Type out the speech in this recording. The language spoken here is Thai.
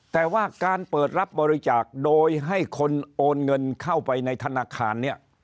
แต่ว่าการเปิดรับบริจาคโดยให้คนโอนเงินเข้าไปในธนาคารเนี่ย